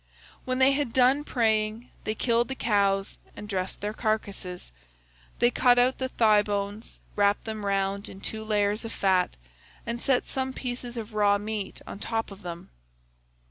When they had done praying they killed the cows and dressed their carcasses; they cut out the thigh bones, wrapped them round in two layers of fat, and set some pieces of raw meat on top of them.